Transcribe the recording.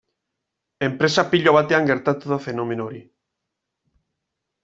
Enpresa pilo batean gertatu da fenomeno hori.